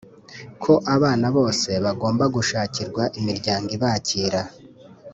ko abana bose bagomba gushakirwa imiryango ibakira